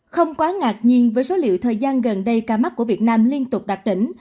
không quá ngạc nhiên với số liệu thời gian gần đây ca mắc của việt nam liên tục đạt đỉnh